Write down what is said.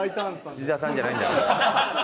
土田さんじゃないんだから。